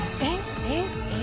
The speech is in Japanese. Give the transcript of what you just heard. えっ？